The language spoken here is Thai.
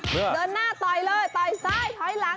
เดินหน้าต่อยเลยต่อยซ้ายถอยหลัง